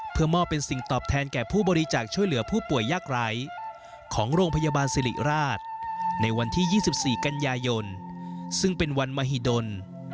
เพื่อมอบเป็นสิ่งตอบแทนแก่ผู้บริจาคช่วยเหลือผู้ป่วยยากไร้ของโรงพยาบาลสิริราชในวันที่๒๔กันยายนซึ่งเป็นวันมหิดล